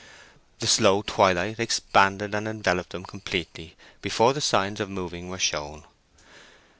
The slow twilight expanded and enveloped them completely before the signs of moving were shown.